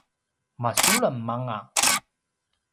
masulem anga